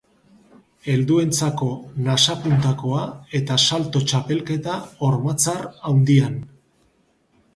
Helduentzako nasapuntakoa eta salto-txapelketa hormatzar handian.